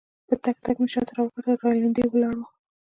په تګ تګ کې مې شاته راوکتل، رینالډي ولاړ وو.